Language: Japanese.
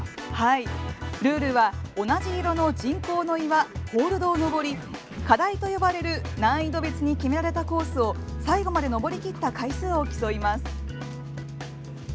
ルールは、同じ色の人工の岩「ホールド」を登り「課題」と呼ばれる難易度別に決められたコースを最後まで登り切った回数を競います。